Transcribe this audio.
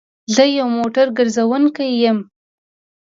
زه يو موټر ګرځونکی يم